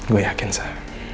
gue yakin sah